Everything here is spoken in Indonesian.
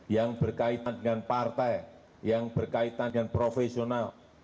yang berkaitan dengan partai yang berkaitan dengan profesional